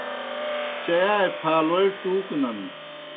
چیائے پھالوئے ٹُوکنَن۔